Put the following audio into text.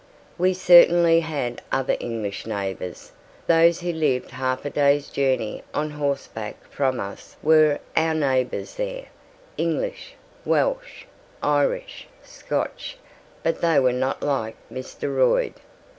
We certainly had other English neighbours those who lived half a day's journey on horseback from us were our neighbours there English, Welsh, Irish, Scotch, but they were not like Mr. Royd.